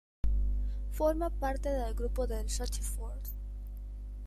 Forma parte del grupo de Rochefort.